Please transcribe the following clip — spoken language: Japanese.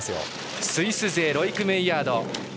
スイス勢、ロイク・メイヤード。